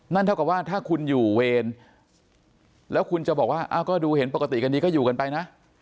เท่ากับว่าถ้าคุณอยู่เวรแล้วคุณจะบอกว่าก็ดูเห็นปกติกันดีก็อยู่กันไปนะ